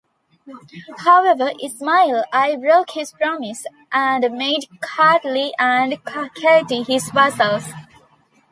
However, Ismail I broke his promise, and made Kartli and Kakheti his vassals.